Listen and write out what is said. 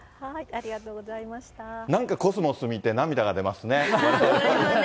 なんかコスモス見て、涙が出ますね。